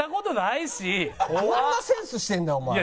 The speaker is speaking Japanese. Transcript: どんなセンスしてんだお前。